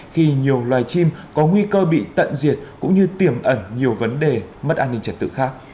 khi nhiều loài chim có nguy cơ bị tận diệt cũng như tiềm ẩn nhiều vấn đề mất an ninh trật tự khác